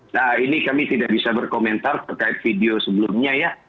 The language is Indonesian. nah ini kami tidak bisa berkomentar terkait video sebelumnya ya